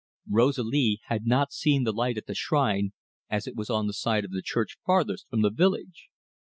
Rosalie had not seen the light at the shrine, as it was on the side of the church farthest from the village.